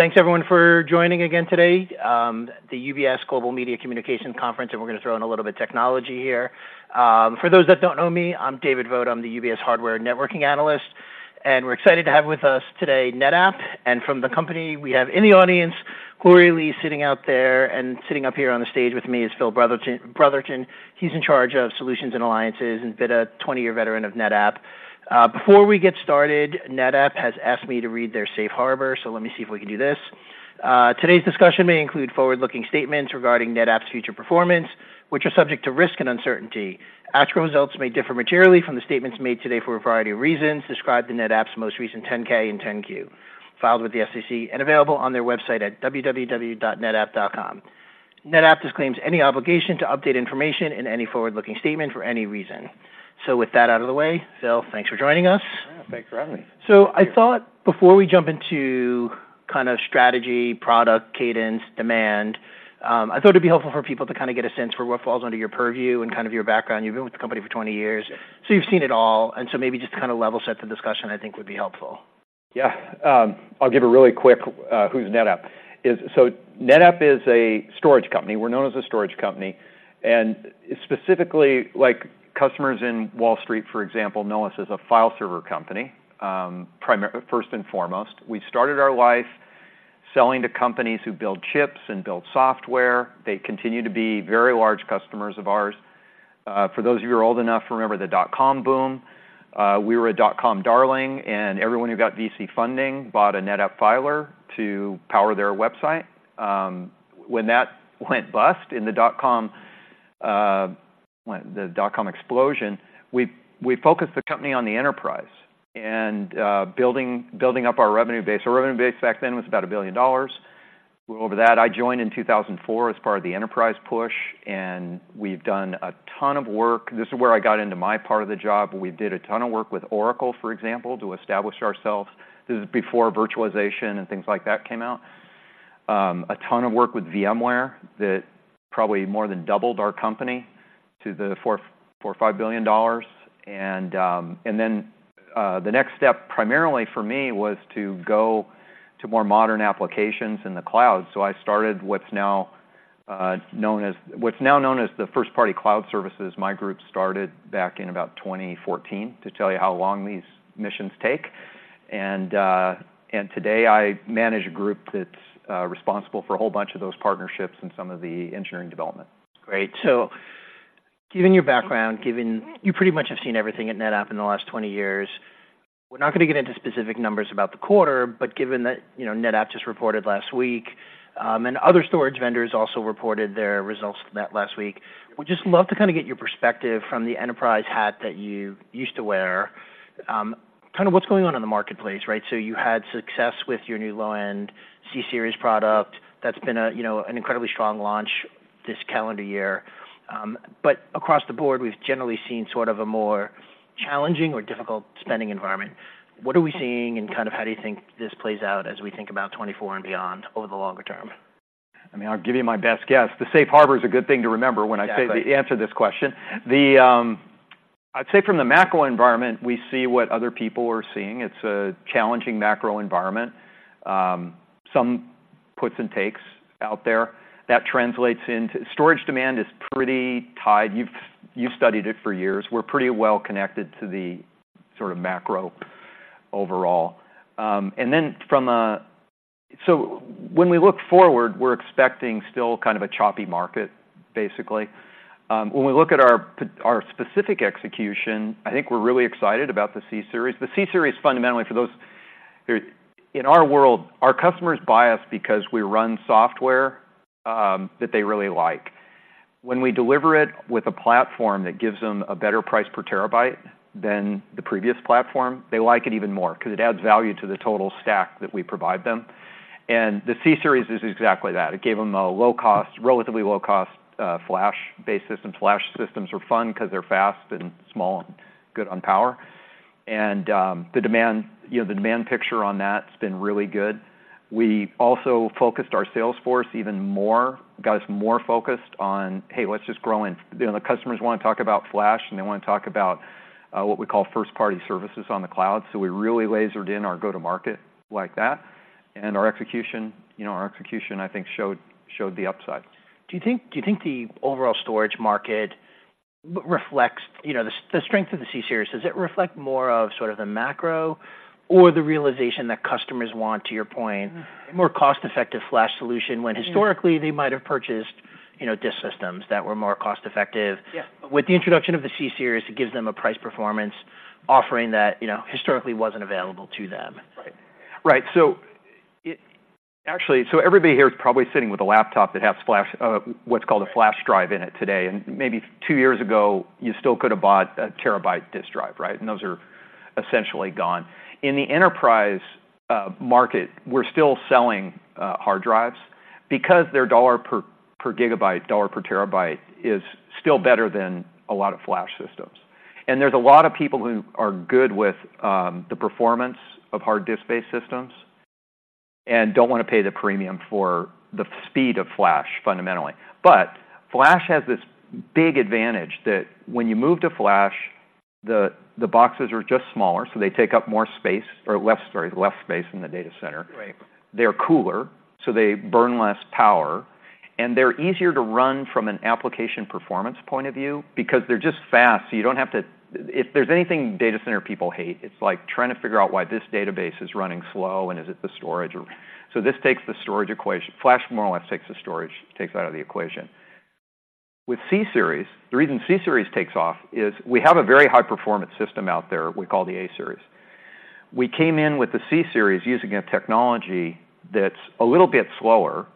Thanks, everyone, for joining again today, the UBS Global Media Communications Conference, and we're going to throw in a little bit of technology here. For those that don't know me, I'm David Vogt. I'm the UBS hardware networking analyst, and we're excited to have with us today, NetApp. And from the company, we have in the audience, Gloria Lee, sitting out there, and sitting up here on the stage with me is Phil Brotherton, Brotherton. He's in charge of solutions and alliances and been a 20-year veteran of NetApp. Before we get started, NetApp has asked me to read their safe harbor, so let me see if we can do this. Today's discussion may include forward-looking statements regarding NetApp's future performance, which are subject to risk and uncertainty. Actual results may differ materially from the statements made today for a variety of reasons described in NetApp's most recent 10-K and 10-Q, filed with the SEC and available on their website at www.netapp.com. NetApp disclaims any obligation to update information in any forward-looking statement for any reason. So with that out of the way, Phil, thanks for joining us. Yeah, thanks for having me. So I thought before we jump into kind of strategy, product, cadence, demand, I thought it'd be helpful for people to kind of get a sense for what falls under your purview and kind of your background. You've been with the company for 20 years, so you've seen it all, and so maybe just to kind of level set the discussion, I think would be helpful. Yeah. I'll give a really quick, who's NetApp? So NetApp is a storage company. We're known as a storage company, and specifically, like, customers in Wall Street, for example, know us as a file server company, first and foremost. We started our life selling to companies who build chips and build software. They continue to be very large customers of ours. For those of you who are old enough to remember the dot-com boom, we were a dot-com darling, and everyone who got VC funding bought a NetApp filer to power their website. When that went bust in the dot-com, when the dot-com explosion, we focused the company on the enterprise and building up our revenue base. Our revenue base back then was about $1 billion. We're over that. I joined in 2004 as part of the enterprise push, and we've done a ton of work. This is where I got into my part of the job. We did a ton of work with Oracle, for example, to establish ourselves. This is before virtualization and things like that came out. A ton of work with VMware that probably more than doubled our company to the $4billion-$5 billion. And then, the next step, primarily for me, was to go to more modern applications in the cloud. So I started what's now known as the first party cloud services. My group started back in about 2014, to tell you how long these missions take. Today I manage a group that's responsible for a whole bunch of those partnerships and some of the engineering development. Great. So given your background, given you pretty much have seen everything at NetApp in the last 20 years, we're not going to get into specific numbers about the quarter, but given that, you know, NetApp just reported last week, and other storage vendors also reported their results that last week, we'd just love to kind of get your perspective from the enterprise hat that you used to wear. Kind of what's going on in the marketplace, right? So you had success with your new low-end C-Series product. That's been a, you know, an incredibly strong launch this calendar year. But across the board, we've generally seen sort of a more challenging or difficult spending environment. What are we seeing, and kind of how do you think this plays out as we think about 2024 and beyond over the longer term? I mean, I'll give you my best guess. The safe harbor is a good thing to remember- Yeah. When I say, answer this question. The... I'd say from the macro environment, we see what other people are seeing. It's a challenging macro environment. Some puts and takes out there. That translates into storage demand is pretty tied. You've, you've studied it for years. We're pretty well connected to the sort of macro overall. And then from a... So when we look forward, we're expecting still kind of a choppy market, basically. When we look at our our specific execution, I think we're really excited about the C-Series. The C-Series, fundamentally, for those... In our world, our customers buy us because we run software, that they really like. When we deliver it with a platform that gives them a better price per terabyte than the previous platform, they like it even more because it adds value to the total stack that we provide them. The C-Series is exactly that. It gave them a low-cost, relatively low-cost, flash-based system. Flash systems are fun because they're fast and small and good on power. The demand, you know, the demand picture on that's been really good. We also focused our sales force even more, got us more focused on, "Hey, let's just grow." You know, the customers want to talk about flash, and they want to talk about, what we call first-party services on the cloud. So we really lasered in our go-to-market like that, and our execution, you know, our execution, I think, showed, showed the upside. Do you think, do you think the overall storage market reflects, you know, the, the strength of the C-Series? Does it reflect more of sort of the macro or the realization that customers want, to your point- Mm-hmm. more cost-effective flash solution, when historically, they might have purchased, you know, disk systems that were more cost-effective? Yeah. With the introduction of the C-Series, it gives them a price performance offering that, you know, historically wasn't available to them. Right. Actually, so everybody here is probably sitting with a laptop that has flash, what's called a flash drive in it today, and maybe two years ago, you still could have bought a terabyte disk drive, right? And those are essentially gone. In the enterprise market, we're still selling hard drives because their dollar per gigabyte, dollar per terabyte is still better than a lot of flash systems. And there's a lot of people who are good with the performance of hard disk-based systems and don't want to pay the premium for the speed of flash, fundamentally. But flash has this big advantage that when you move to flash the boxes are just smaller, so they take up more space, or less, sorry, less space in the data center. Right. They're cooler, so they burn less power, and they're easier to run from an application performance point of view because they're just fast, so you don't have to... If there's anything data center people hate, it's like trying to figure out why this database is running slow, and is it the storage or... So this takes the storage equation - flash more or less takes the storage, takes out of the equation. With C-Series, the reason C-Series takes off is we have a very high-performance system out there we call the A-Series. We came in with the C-Series using a technology that's a little bit slower,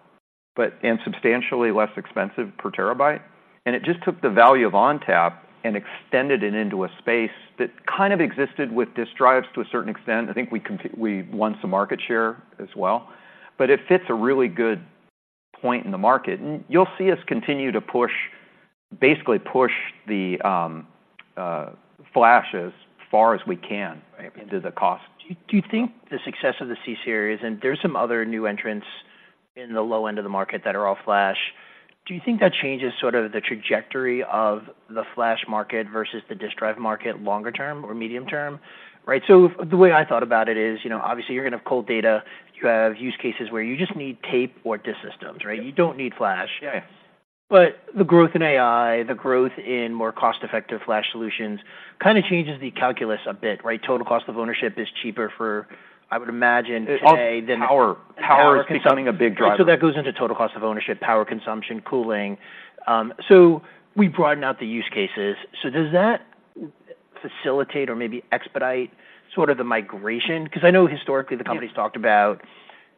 but - and substantially less expensive per terabyte, and it just took the value of ONTAP and extended it into a space that kind of existed with disk drives to a certain extent. I think we won some market share as well, but it fits a really good point in the market. And you'll see us continue to push basically push the flashes as far as we can- Right Into the cost. Do you think the success of the C-Series, and there's some other new entrants in the low end of the market that are all flash? Do you think that changes sort of the trajectory of the flash market versus the disk drive market longer term or medium term? Right, so the way I thought about it is, you know, obviously you're going to have cold data. You have use cases where you just need tape or disk systems, right? Yep. You don't need flash. Yeah. But the growth in AI, the growth in more cost-effective flash solutions, kind of changes the calculus a bit, right? Total cost of ownership is cheaper for, I would imagine, today than- Power. Power is becoming a big driver. So that goes into total cost of ownership, power consumption, cooling. So we broaden out the use cases. So does that facilitate or maybe expedite sort of the migration? Because I know historically the company's- Yeah... talked about,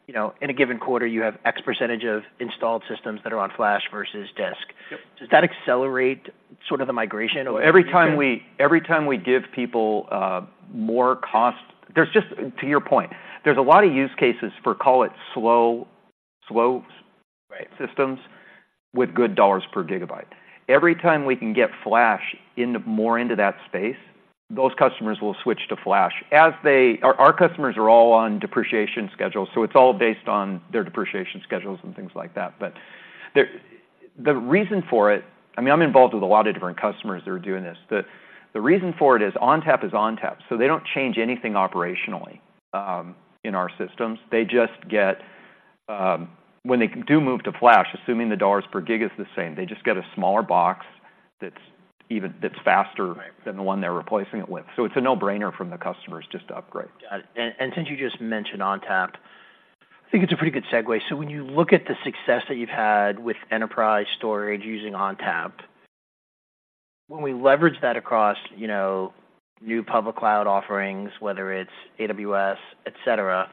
you know, in a given quarter, you have X percentage of installed systems that are on flash versus disk. Yep. Does that accelerate sort of the migration or? Every time we, every time we give people more cost... There's just, to your point, there's a lot of use cases for, call it, slow, slow- Right .Systems with good dollars per gigabyte. Every time we can get flash into more into that space, those customers will switch to flash. As they... Our customers are all on depreciation schedules, so it's all based on their depreciation schedules and things like that. But the reason for it... I mean, I'm involved with a lot of different customers that are doing this. The reason for it is ONTAP is ONTAP, so they don't change anything operationally in our systems. They just get, when they do move to flash, assuming the dollars per gig is the same, they just get a smaller box that's faster- Right Than the one they're replacing it with. It's a no-brainer from the customers just to upgrade. And since you just mentioned ONTAP, I think it's a pretty good segue. So when you look at the success that you've had with enterprise storage using ONTAP, when we leverage that across, you know, new public cloud offerings, whether it's AWS, et cetera,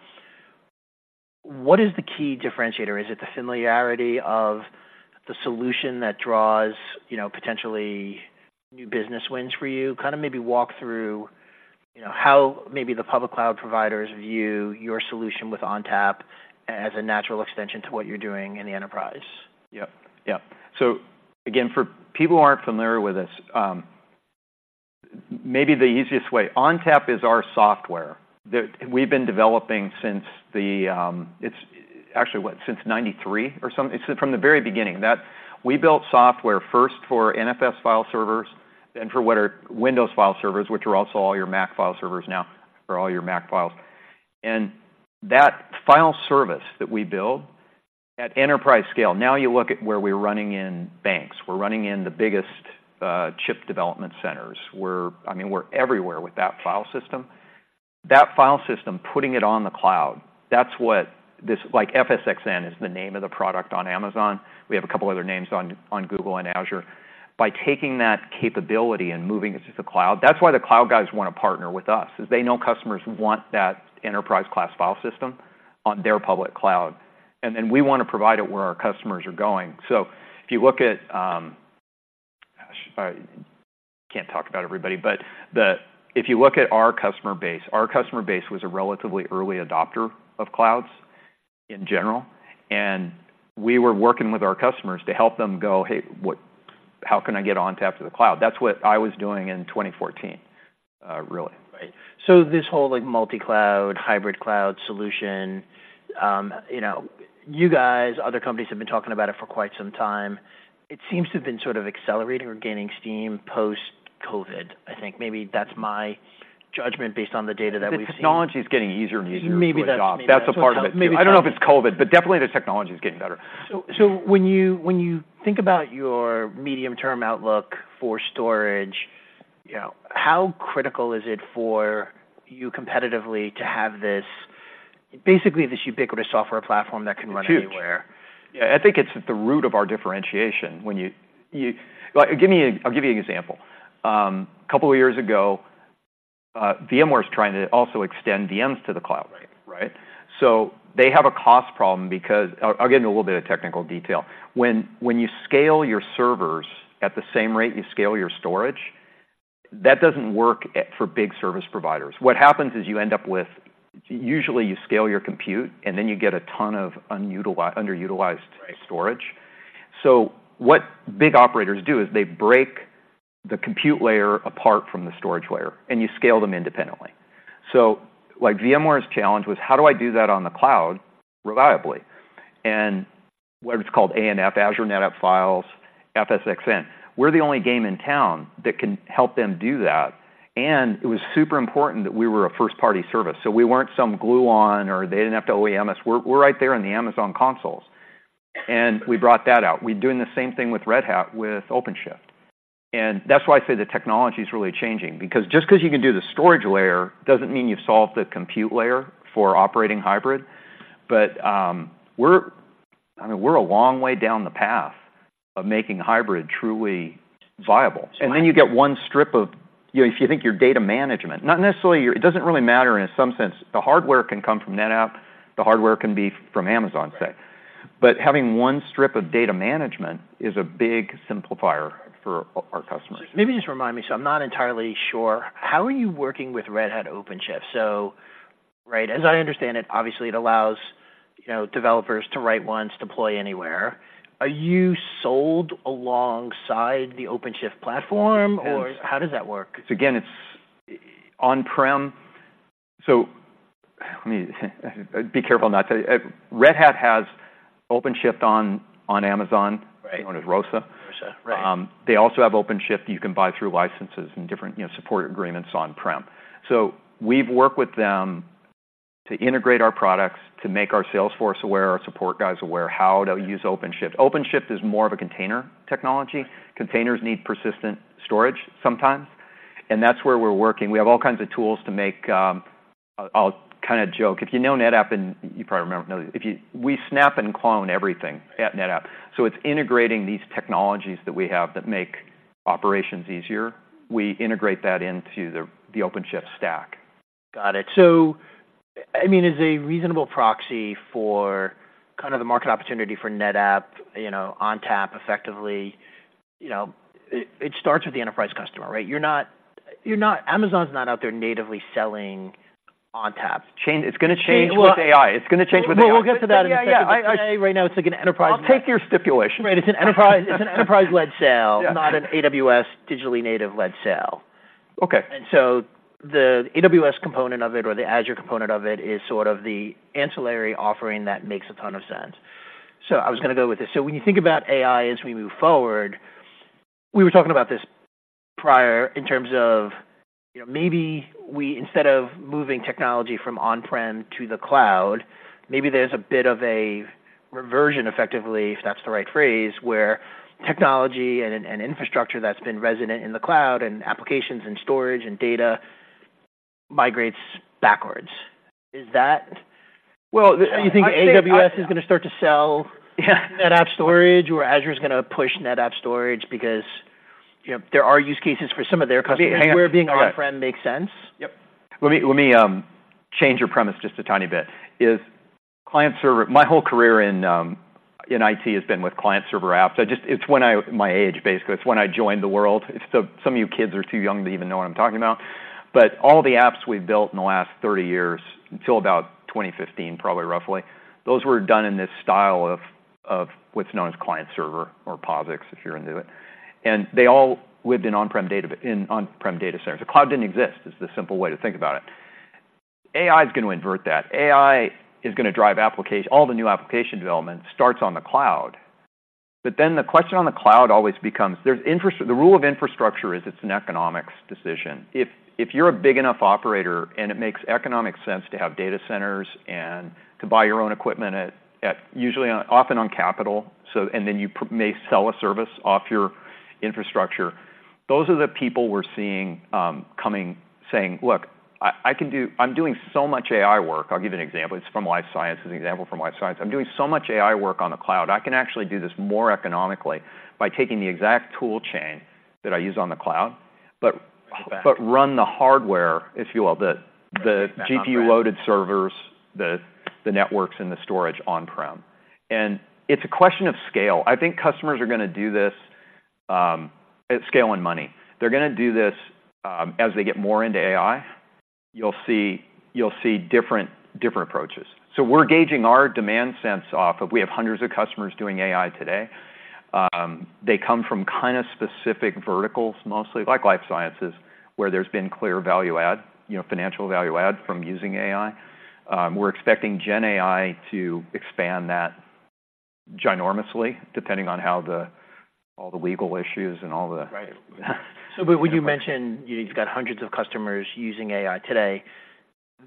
what is the key differentiator? Is it the familiarity of the solution that draws, you know, potentially new business wins for you? Kind of maybe walk through, you know, how maybe the public cloud providers view your solution with ONTAP as a natural extension to what you're doing in the enterprise. Yep. So again, for people who aren't familiar with this, maybe the easiest way, ONTAP is our software that we've been developing since the... It's actually, what, since 1993 or something? It's from the very beginning that we built software first for NFS file servers and for what are Windows file servers, which are also all your Mac file servers now, or all your Mac files. And that file service that we build at enterprise scale, now you look at where we're running in banks, we're running in the biggest chip development centers. I mean, we're everywhere with that file system. That file system, putting it on the cloud, that's what this... Like, FSxN is the name of the product on Amazon. We have a couple other names on Google and Azure. By taking that capability and moving it to the cloud, that's why the cloud guys wanna partner with us, is they know customers want that enterprise-class file system on their public cloud, and then we want to provide it where our customers are going. So if you look at, I can't talk about everybody, but if you look at our customer base, our customer base was a relatively early adopter of clouds in general, and we were working with our customers to help them go, "Hey, what - how can I get ONTAP to the cloud?" That's what I was doing in 2014, really. Right. So this whole, like, multi-cloud, hybrid cloud solution, you know, you guys, other companies have been talking about it for quite some time. It seems to have been sort of accelerating or gaining steam post-COVID. I think maybe that's my judgment based on the data that we've seen. The technology is getting easier and easier to adopt. Maybe that's- That's a part of it too. Maybe- I don't know if it's COVID, but definitely the technology is getting better. When you think about your medium-term outlook for storage, you know, how critical is it for you competitively to have this, basically, this ubiquitous software platform that can run anywhere? It's huge. Yeah, I think it's at the root of our differentiation. When you... Like, I'll give you an example. A couple of years ago, VMware was trying to also extend VMs to the cloud. Right. Right? So they have a cost problem because... I'll get into a little bit of technical detail. When you scale your servers at the same rate you scale your storage, that doesn't work for big service providers. What happens is you end up with... Usually, you scale your compute, and then you get a ton of underutilized- Right Storage. So what big operators do is they break the compute layer apart from the storage layer, and you scale them independently.... So, like, VMware's challenge was: How do I do that on the cloud reliably? And whether it's called ANF, Azure NetApp Files, FSxN, we're the only game in town that can help them do that, and it was super important that we were a first-party service. So we weren't some glue-on, or they didn't have to OEM us. We're right there in the Amazon consoles, and we brought that out. We're doing the same thing with Red Hat OpenShift. And that's why I say the technology is really changing, because just 'cause you can do the storage layer doesn't mean you've solved the compute layer for operating hybrid. But, we're... I mean, we're a long way down the path of making hybrid truly viable. Then you get one strip of, you know, if you think your data management, not necessarily your... It doesn't really matter in some sense. The hardware can come from NetApp, the hardware can be from Amazon set. Right. But having one strip of data management is a big simplifier for our customers. Maybe just remind me, so I'm not entirely sure. How are you working with Red Hat OpenShift? So, right, as I understand it, obviously, it allows, you know, developers to write once, deploy anywhere. Are you sold alongside the OpenShift platform, or how does that work? So again, it's on-prem. So let me be careful not to... Red Hat has OpenShift on Amazon- Right Known as ROSA. ROSA, right. They also have OpenShift you can buy through licenses and different, you know, support agreements on-prem. So we've worked with them to integrate our products, to make our sales force aware, our support guys aware, how to use OpenShift. OpenShift is more of a container technology. Containers need persistent storage sometimes, and that's where we're working. We have all kinds of tools to make. I'll kind of joke. If you know NetApp, and you probably remember we snap and clone everything at NetApp. Right. So it's integrating these technologies that we have that make operations easier. We integrate that into the OpenShift stack. Got it. So, I mean, as a reasonable proxy for kind of the market opportunity for NetApp, you know, ONTAP, effectively, you know, it, it starts with the enterprise customer, right? You're not, you're not, Amazon's not out there natively selling ONTAP. It's going to change with AI. Well- It's going to change with AI. Well, we'll get to that in a second. Yeah, yeah. But AI, right now, it's like an enterprise- I'll take your stipulation. Right, it's an enterprise, it's an enterprise-led sale- Yeah Not an AWS digitally native-led sale. Okay. And so the AWS component of it or the Azure component of it is sort of the ancillary offering that makes a ton of sense. So I was going to go with this. So when you think about AI as we move forward, we were talking about this prior in terms of, you know, maybe we, instead of moving technology from on-prem to the cloud, maybe there's a bit of a reversion, effectively, if that's the right phrase, where technology and, and infrastructure that's been resident in the cloud, and applications, and storage, and data migrates backwards. Is that- Well, I You think AWS is going to start to sell NetApp storage, or Azure is going to push NetApp storage because, you know, there are use cases for some of their customers- Hang on Where being on-prem makes sense? Yep. Let me change your premise just a tiny bit: client-server... My whole career in IT has been with client-server apps. I just- It's when I... My age, basically, it's when I joined the world. It's the- some of you kids are too young to even know what I'm talking about. But all the apps we've built in the last 30 years, until about 2015, probably, roughly, those were done in this style of what's known as client-server or POSIX, if you're into it, and they all lived in on-prem data, in on-prem data centers. The cloud didn't exist, is the simple way to think about it. AI is going to invert that. AI is going to drive application. All the new application development starts on the cloud. But then the question on the cloud always becomes... The rule of infrastructure is it's an economics decision. If you're a big enough operator, and it makes economic sense to have data centers and to buy your own equipment at usually on, often on capital, so, and then you may sell a service off your infrastructure, those are the people we're seeing coming, saying, "Look, I'm doing so much AI work." I'll give you an example. It's from life sciences, an example from life sciences. "I'm doing so much AI work on the cloud, I can actually do this more economically by taking the exact tool chain that I use on the cloud, but run the hardware," if you will, "the GPU-loaded servers, the networks, and the storage on-prem." And it's a question of scale. I think customers are going to do this, scale and money. They're going to do this, as they get more into AI. You'll see, you'll see different, different approaches. So we're gauging our demand sense off of we have hundreds of customers doing AI today. They come from kind of specific verticals, mostly, like life sciences, where there's been clear value add, you know, financial value add from using AI. We're expecting Gen AI to expand that ginormously, depending on how the... all the legal issues and all the- Right. So but when you mention you've got hundreds of customers using AI today,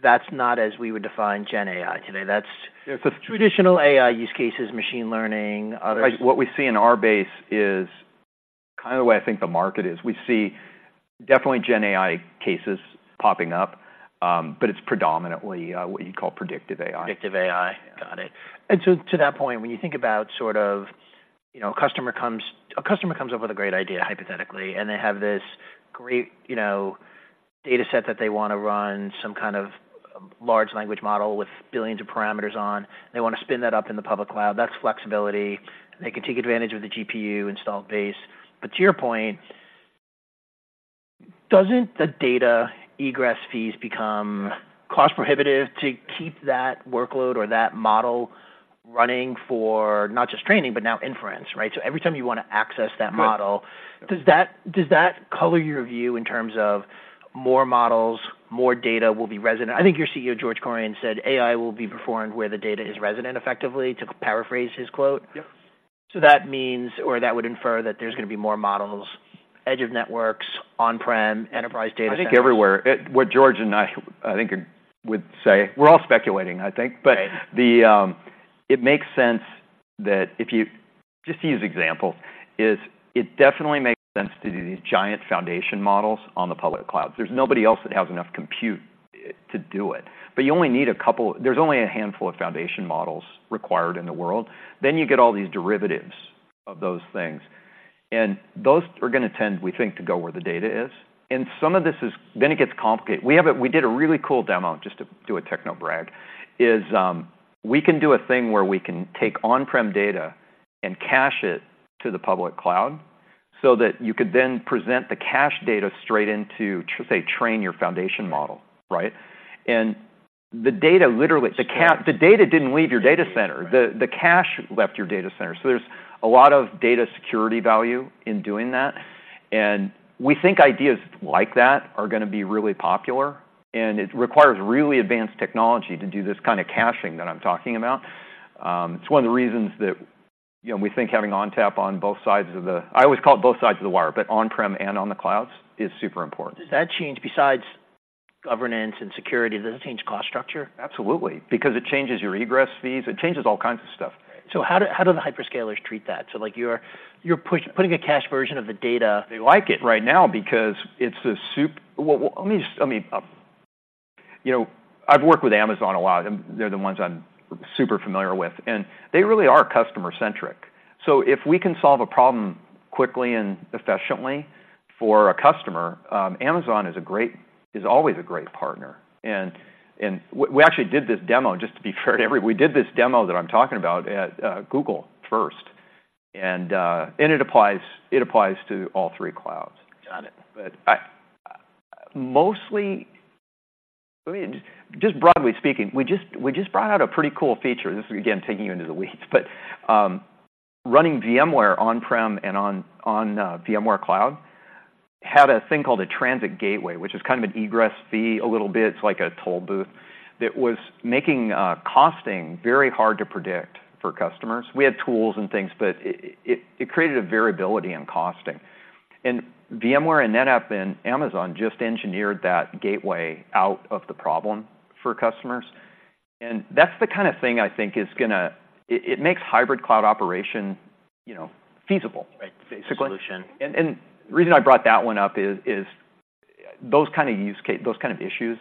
that's not as we would define Gen AI today. That's- Yeah, so- Traditional AI use cases, machine learning, others. Right. What we see in our base is kind of the way I think the market is. We see definitely Gen AI cases popping up, but it's predominantly what you'd call predictive AI. Predictive AI. Got it. And so to that point, when you think about sort of, you know, a customer comes, a customer comes up with a great idea, hypothetically, and they have this great, you know, data set that they want to run some kind of large language model with billions of parameters on. They want to spin that up in the public cloud. That's flexibility. They can take advantage of the GPU installed base. But to your point, doesn't the data egress fees become cost-prohibitive to keep that workload or that model-... running for not just training, but now inference, right? So every time you want to access that model- Right. Does that, does that color your view in terms of more models, more data will be resident? I think your CEO, George Kurian, said AI will be performed where the data is resident, effectively, to paraphrase his quote. Yep. That means, or that would infer that there's going to be more models, edge of networks, on-prem, enterprise data centers. I think everywhere. What George and I, I think, would say... We're all speculating, I think. Right. But it makes sense that, just to use an example, it definitely makes sense to do these giant foundation models on the public cloud. There's nobody else that has enough compute to do it, but you only need a couple. There's only a handful of foundation models required in the world. Then you get all these derivatives of those things, and those are gonna tend, we think, to go where the data is. Then it gets complicated. We did a really cool demo, just to do a techno brag, we can do a thing where we can take on-prem data and cache it to the public cloud, so that you could then present the cache data straight into, say, train your foundation model, right? And the data, literally- Sure. The data didn't leave your data center. Right. The cache left your data center. So there's a lot of data security value in doing that, and we think ideas like that are gonna be really popular, and it requires really advanced technology to do this kind of caching that I'm talking about. It's one of the reasons that, you know, we think having ONTAP on both sides of the... I always call it both sides of the wire, but on-prem and on the clouds is super important. Does that change, besides governance and security, does it change cost structure? Absolutely, because it changes your egress fees. It changes all kinds of stuff. So how do the hyperscalers treat that? So, like, you're pushing a cache version of the data- They like it right now because it's super. Well, well, let me just, let me. You know, I've worked with Amazon a lot, and they're the ones I'm super familiar with, and they really are customer-centric. So if we can solve a problem quickly and efficiently for a customer, Amazon is always a great partner. And we actually did this demo, just to be fair to everyone. We did this demo that I'm talking about at Google first, and it applies to all three clouds. Got it. But I mostly, I mean, just broadly speaking, we just brought out a pretty cool feature. This is, again, taking you into the weeds, but running VMware on-prem and on VMware Cloud had a thing called a Transit Gateway, which is kind of an egress fee a little bit, it's like a toll booth, that was making costing very hard to predict for customers. We had tools and things, but it created a variability in costing. And VMware and NetApp and Amazon just engineered that gateway out of the problem for customers, and that's the kind of thing I think is gonna... It makes hybrid cloud operation, you know, feasible- Right. Basically. Solution. The reason I brought that one up is those kind of use case, those kind of issues,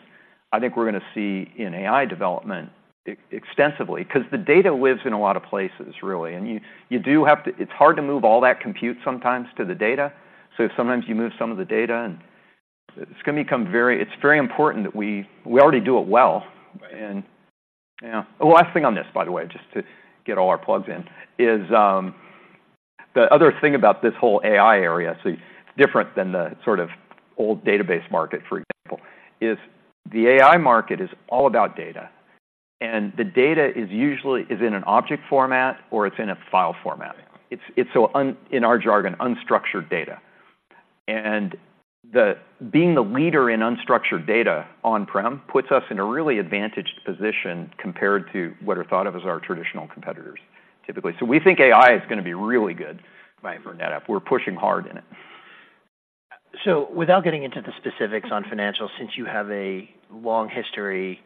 I think we're gonna see in AI development extensively, 'cause the data lives in a lot of places, really, and you do have to. It's hard to move all that compute sometimes to the data, so sometimes you move some of the data, and it's gonna become very. It's very important that we... We already do it well. Right. And, yeah. The last thing on this, by the way, just to get all our plugs in, is the other thing about this whole AI area, so it's different than the sort of old database market, for example, is the AI market is all about data, and the data is usually in an object format or it's in a file format. Right. It's so in our jargon, unstructured data. And being the leader in unstructured data on-prem puts us in a really advantaged position compared to what are thought of as our traditional competitors, typically. So we think AI is gonna be really good- Right For NetApp. We're pushing hard in it. So without getting into the specifics on financials, since you have a long history,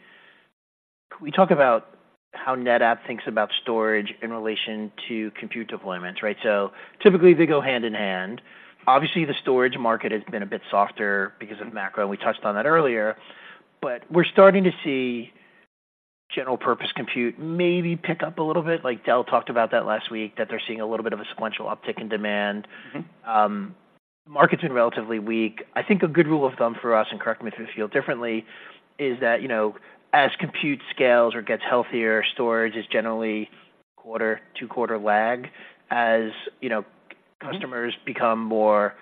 can we talk about how NetApp thinks about storage in relation to compute deployments, right? So typically, they go hand in hand. Obviously, the storage market has been a bit softer because of macro, and we touched on that earlier, but we're starting to see general purpose compute maybe pick up a little bit. Like, Dell talked about that last week, that they're seeing a little bit of a sequential uptick in demand. Mm-hmm. The market's been relatively weak. I think a good rule of thumb for us, and correct me if I feel differently, is that, you know, as compute scales or gets healthier, storage is generally quarter to quarter lag. As, you know- Mm-hmm Customers become more,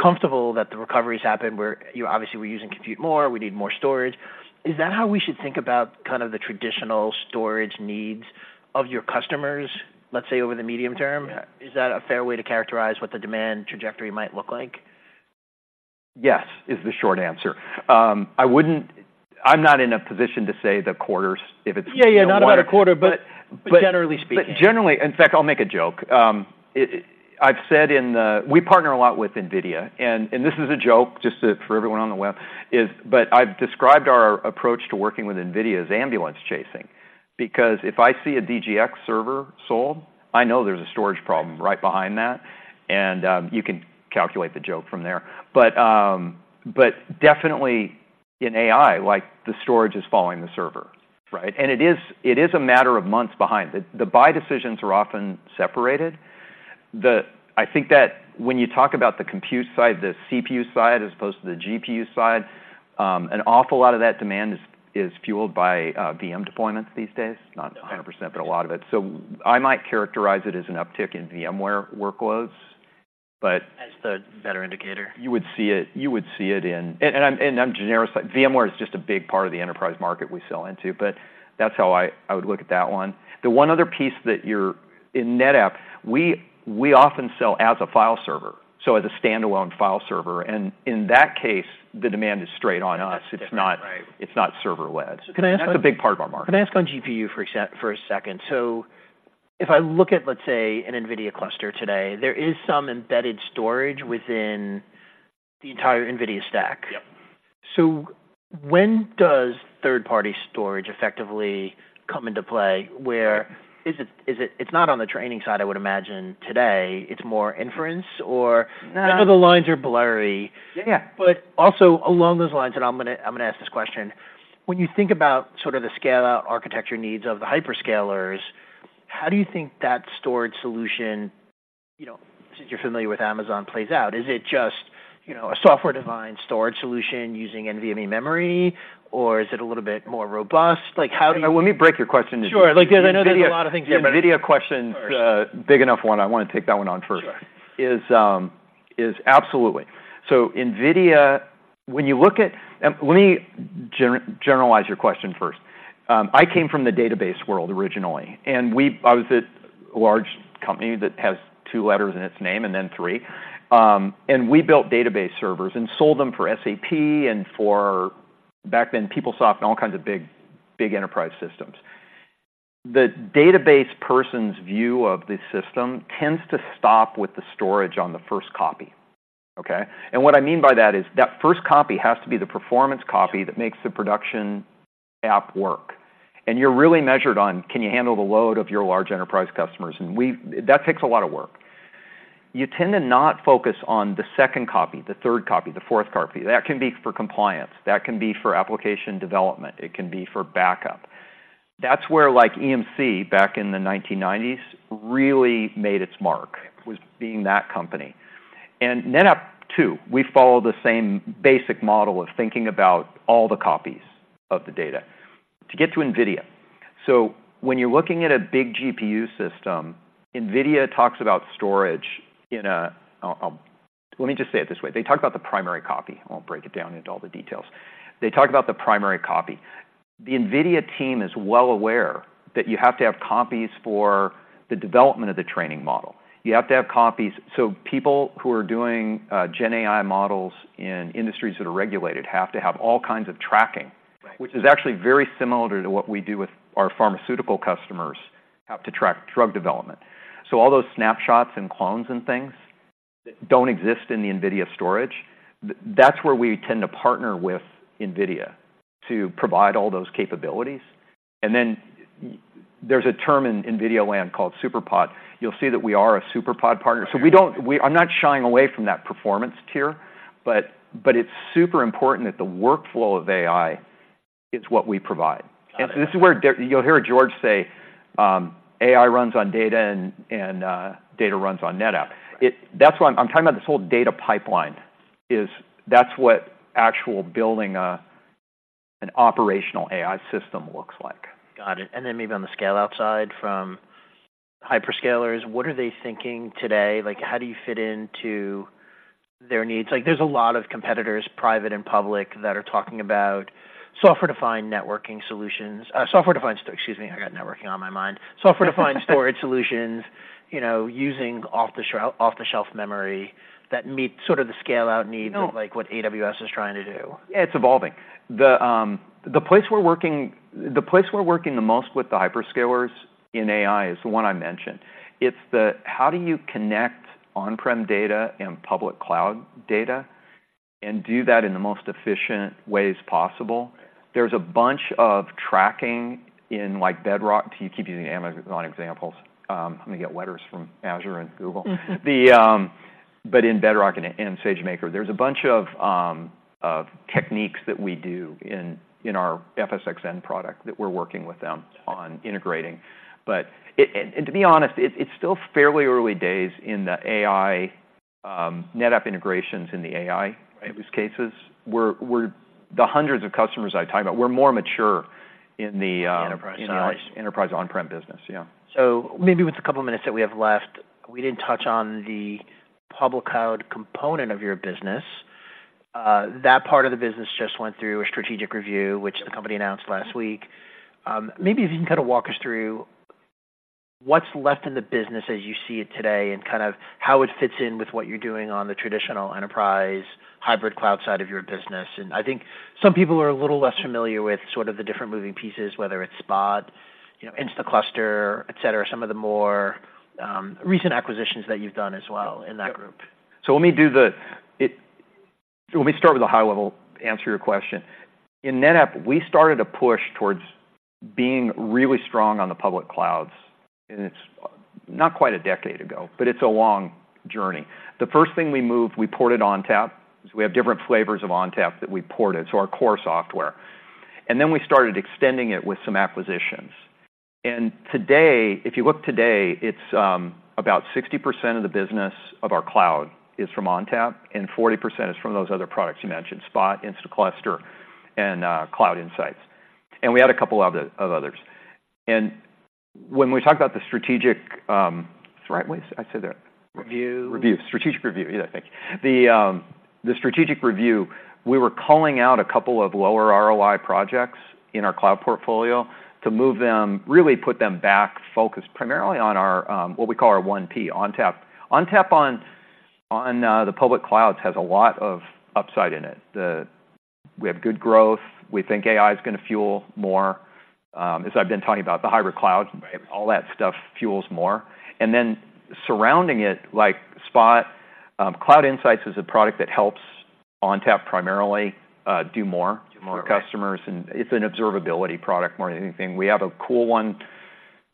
comfortable that the recovery has happened, where, you know, obviously, we're using compute more, we need more storage. Is that how we should think about kind of the traditional storage needs of your customers, let's say, over the medium term? Yeah. Is that a fair way to characterize what the demand trajectory might look like? Yes, is the short answer. I wouldn't- I'm not in a position to say the quarters, if it's- Yeah, yeah, not about a quarter- But, but- But generally speaking. But generally... In fact, I'll make a joke. I've said in the... We partner a lot with NVIDIA, and this is a joke, just for everyone on the web, but I've described our approach to working with NVIDIA as ambulance chasing. Because if I see a DGX server sold, I know there's a storage problem right behind that, and you can calculate the joke from there. But but definitely in AI, like, the storage is following the server, right? And it is a matter of months behind. The buy decisions are often separated. I think that when you talk about the compute side, the CPU side, as opposed to the GPU side, an awful lot of that demand is fueled by VM deployments these days. Got it. Not 100%, but a lot of it. So I might characterize it as an uptick in VMware workloads. As the better indicator? You would see it in, and I'm generous, like, VMware is just a big part of the enterprise market we sell into, but that's how I would look at that one. The one other piece that you're... In NetApp, we often sell as a file server, so as a standalone file server. And in that case, the demand is straight on us. That's different, right? It's not, it's not server-led. Can I ask a- That's a big part of our market. Can I ask on GPU for a second? So if I look at, let's say, an NVIDIA cluster today, there is some embedded storage within the entire NVIDIA stack. Yep. So when does third-party storage effectively come into play? Where... Is it, is it—it's not on the training side, I would imagine today, it's more inference or- No. I know the lines are blurry. Yeah. But also along those lines, and I'm gonna, I'm gonna ask this question, when you think about sort of the scale-out architecture needs of the hyperscalers, how do you think that storage solution, you know, since you're familiar with Amazon, plays out? Is it just, you know, a software-defined storage solution using NVMe memory, or is it a little bit more robust? Like, how do you- Let me break your question into two. Sure. Like, I know there's a lot of things- Yeah, NVIDIA question- Sure Big enough one, I want to take that one on first. Sure. It is absolutely. So, NVIDIA, when you look at... Let me generalize your question first. I came from the database world originally, and I was at a large company that has two letters in its name and then three. And we built database servers and sold them for SAP and for, back then, PeopleSoft and all kinds of big, big enterprise systems. The database person's view of the system tends to stop with the storage on the first copy, okay? And what I mean by that is, that first copy has to be the performance copy that makes the production app work. And you're really measured on, can you handle the load of your large enterprise customers? That takes a lot of work. You tend to not focus on the second copy, the third copy, the fourth copy. That can be for compliance, that can be for application development, it can be for backup. That's where, like, EMC, back in the 1990s, really made its mark, was being that company. And NetApp, too, we follow the same basic model of thinking about all the copies of the data. To get to NVIDIA, so when you're looking at a big GPU system, NVIDIA talks about storage in a... Let me just say it this way: they talk about the primary copy. I won't break it down into all the details. They talk about the primary copy. The NVIDIA team is well aware that you have to have copies for the development of the training model. You have to have copies, so people who are doing GenAI models in industries that are regulated have to have all kinds of tracking. Right. Which is actually very similar to what we do with our pharmaceutical customers, have to track drug development. So all those snapshots and clones and things that don't exist in the NVIDIA storage, that's where we tend to partner with NVIDIA to provide all those capabilities. And then there's a term in NVIDIA Land called SuperPOD. You'll see that we are a SuperPOD partner. Okay. I'm not shying away from that performance tier, but, but it's super important that the workflow of AI is what we provide. Got it. This is where you'll hear George say, "AI runs on data, and data runs on NetApp. Right. That's why I'm talking about this whole data pipeline, is that's what actual building an operational AI system looks like. Got it. And then maybe on the scale-out side from hyperscalers, what are they thinking today? Like, how do you fit into their needs? Like, there's a lot of competitors, private and public, that are talking about software-defined networking solutions, software-defined... Excuse me, I got networking on my mind. Software-defined storage solutions, you know, using off-the-shelf memory that meet sort of the scale-out needs- No Like what AWS is trying to do. Yeah, it's evolving. The, the place we're working, the place we're working the most with the hyperscalers in AI is the one I mentioned. It's the how do you connect on-prem data and public cloud data, and do that in the most efficient ways possible? There's a bunch of tracking in, like, Bedrock. To keep using Amazon examples, I'm going to get letters from Azure and Google. The, but in Bedrock and, and SageMaker, there's a bunch of, of techniques that we do in, in our FSxN product that we're working with them on integrating. But it... And, and to be honest, it, it's still fairly early days in the AI, NetApp integrations in the AI- Right Use cases, where we're the hundreds of customers I talk about, we're more mature in the, Enterprise side Enterprise on-prem business, yeah. So maybe with the couple minutes that we have left, we didn't touch on the public cloud component of your business. That part of the business just went through a strategic review, which the company announced last week. Maybe if you can kind of walk us through what's left in the business as you see it today, and kind of how it fits in with what you're doing on the traditional enterprise hybrid cloud side of your business. And I think some people are a little less familiar with sort of the different moving pieces, whether it's Spot, you know, Instaclustr, et cetera, some of the more recent acquisitions that you've done as well in that group. Let me start with a high-level answer to your question. In NetApp, we started a push towards being really strong on the public clouds, and it's not quite a decade ago, but it's a long journey. The first thing we moved, we ported ONTAP, because we have different flavors of ONTAP that we ported, so our core software. And then we started extending it with some acquisitions. And today, if you look today, it's about 60% of the business of our cloud is from ONTAP, and 40% is from those other products you mentioned, Spot, Instaclustr, and Cloud Insights, and we had a couple of others. When we talk about the strategic, what's the right way I'd say that? Review. Review. Strategic review. Yeah, thank you. The strategic review, we were calling out a couple of lower ROI projects in our cloud portfolio to move them, really put them back, focused primarily on our what we call our 1P, ONTAP. ONTAP on the public clouds has a lot of upside in it. We have good growth, we think AI is gonna fuel more. As I've been talking about, the hybrid cloud- Right All that stuff fuels more. And then surrounding it, like Spot, Cloud Insights is a product that helps ONTAP primarily do more- Do more For customers, and it's an observability product more than anything. We have a cool one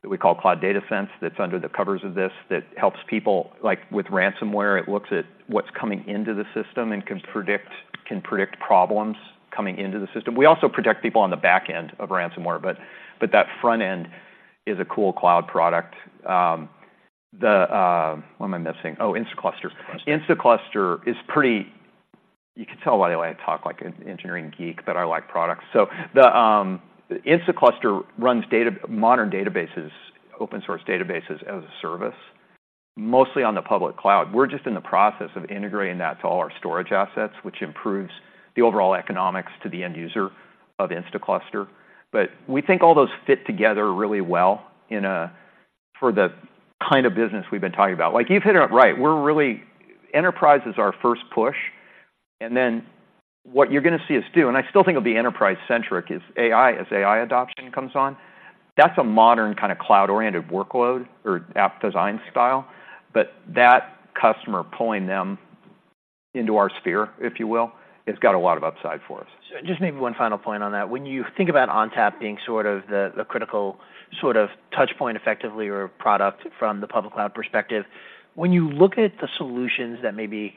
that we call Cloud Data Sense, that's under the covers of this, that helps people, like with ransomware, it looks at what's coming into the system and can predict, can predict problems coming into the system. We also protect people on the back end of ransomware, but, but that front end is a cool cloud product. What am I missing? Oh, Instaclustr. Instaclustr. Instaclustr is pretty. You can tell by the way I talk like an engineering geek, that I like products. So the Instaclustr runs modern databases, open source databases as a service, mostly on the public cloud. We're just in the process of integrating that to all our storage assets, which improves the overall economics to the end user of Instaclustr. But we think all those fit together really well in a, for the kind of business we've been talking about. Like you've hit it up right, we're really enterprise is our first push, and then what you're gonna see us do, and I still think it'll be enterprise-centric, is AI, as AI adoption comes on. That's a modern kind of cloud-oriented workload or app design style, but that customer, pulling them into our sphere, if you will, has got a lot of upside for us. Just maybe one final point on that. When you think about ONTAP being sort of the critical sort of touch point effectively or product from the public cloud perspective, when you look at the solutions that maybe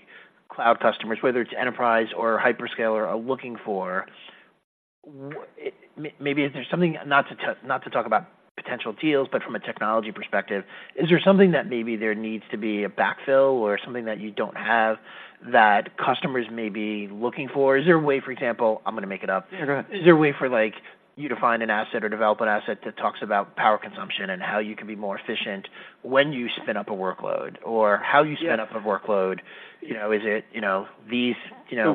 cloud customers, whether it's enterprise or hyperscaler, are looking for, maybe is there something, not to, not to talk about potential deals, but from a technology perspective, is there something that maybe there needs to be a backfill or something that you don't have that customers may be looking for? Is there a way, for example, I'm gonna make it up- You're gonna- Is there a way for, like, you to find an asset or develop an asset that talks about power consumption and how you can be more efficient when you spin up a workload, or how you spin up a workload? Yeah. You know, is it, you know, these-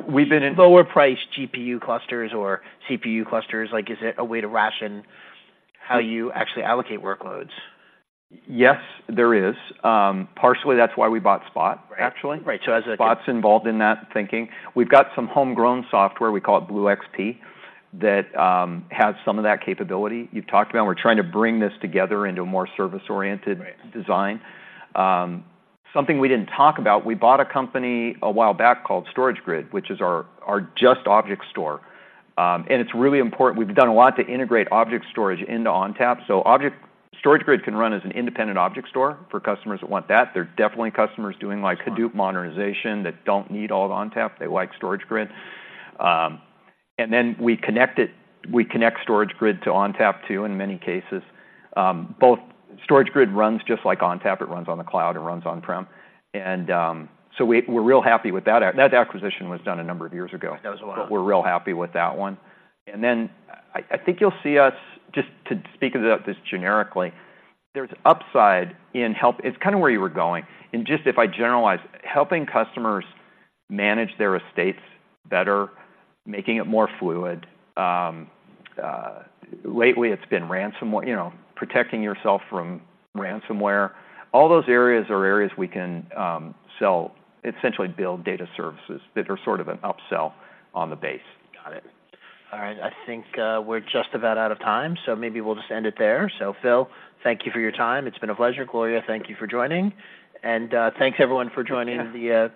We've been in- Lower priced GPU clusters or CPU clusters, like, is it a way to ration how you actually allocate workloads? Yes, there is. Partially, that's why we bought Spot, actually. Right. So as- Spot's involved in that thinking. We've got some homegrown software, we call it BlueXP, that has some of that capability you've talked about. We're trying to bring this together into a more service-oriented- Right Design. Something we didn't talk about, we bought a company a while back called StorageGRID, which is our just object store. And it's really important. We've done a lot to integrate object storage into ONTAP. So object StorageGRID can run as an independent object store for customers that want that. There are definitely customers doing, like, Hadoop modernization, that don't need all of ONTAP, they like StorageGRID. And then we connect StorageGRID to ONTAP, too, in many cases. Both StorageGRID runs just like ONTAP, it runs on the cloud and runs on-prem. And so we're real happy with that. That acquisition was done a number of years ago. That was a while. But we're real happy with that one. And then I think you'll see us, just to speak about this generically, there's upside in help- It's kind of where you were going, and just if I generalize, helping customers manage their estates better, making it more fluid. Lately it's been ransomware, you know, protecting yourself from ransomware. All those areas are areas we can sell, essentially build data services that are sort of an upsell on the base. Got it. All right. I think, we're just about out of time, so maybe we'll just end it there. So Phil, thank you for your time. It's been a pleasure. Gloria, thank you for joining. And, thanks everyone for joining- Yeah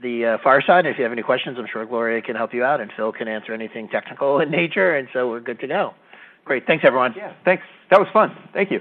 The Fireside. If you have any questions, I'm sure Gloria can help you out, and Phil can answer anything technical in nature, and so we're good to go. Great. Thanks, everyone. Yeah, thanks. That was fun. Thank you.